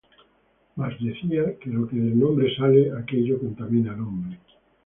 Mas decía, que lo que del hombre sale, aquello contamina al hombre.